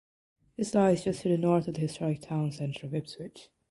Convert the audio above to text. This lies just to the north of the historic town centre of Ipswich.